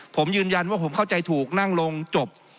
ผมยืนยันว่าผมเข้าใจถูกนั่งลงจบ